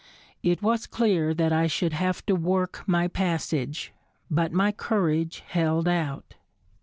It was clear that I should have to work my passage, but my courage held out.